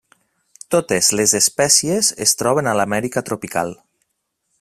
Totes les espècies es troben a l'Amèrica tropical.